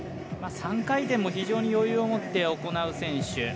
３回転も非常に余裕を持って行う選手。